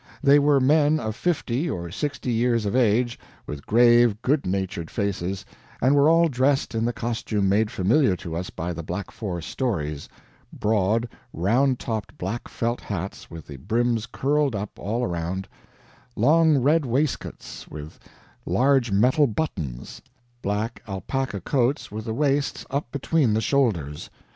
They were men of fifty or sixty years of age, with grave good natured faces, and were all dressed in the costume made familiar to us by the Black Forest stories; broad, round topped black felt hats with the brims curled up all round; long red waistcoats with large metal buttons, black alpaca coats with the waists up between the shoulders.